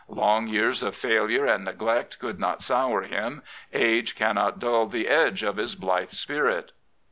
Long years of failure and neglect could not sour him; age cannot dull the edge of his blithe spirit.